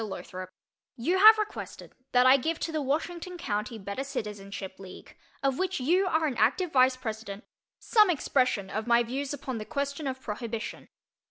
LOTHROP: You have requested that I give to the Washington County Better Citizenship League, of which you are an active vice president, some expression of my views upon the question of Prohibition.